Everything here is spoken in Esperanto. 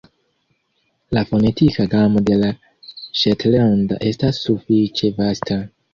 La fonetika gamo de la ŝetlanda estas sufiĉe vasta.